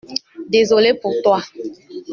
Désolé pour toi.